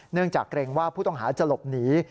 จากเกรงว่าผู้ต้องหาจะหลบหนี